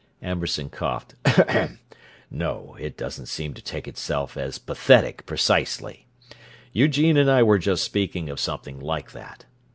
Amberson coughed. "No, it doesn't seem to take itself as pathetic, precisely! Eugene and I were just speaking of something like that.